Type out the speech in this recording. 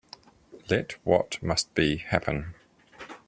Let what must be, happen.